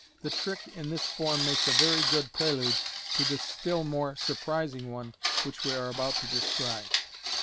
The trick in this form makes a very good prelude to the still more surprising one which we are about to describe.